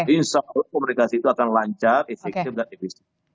insya allah komunikasi itu akan lancar efektif dan efisien